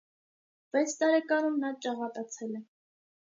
Վեց տարեկանում նա ճաղատացել է։